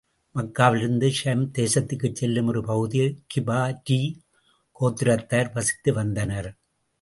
மக்காவிலிருந்து ஷாம் தேசத்துக்குச் செல்லும் ஒரு பகுதியில் கிபாரீ கோத்திரத்தார் வசித்து வந்தனர்.